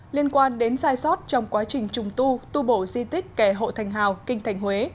liên quan đến sai sót trong quá trình trùng tu tu bổ di tích kẻ hộ thành hào kinh thành huế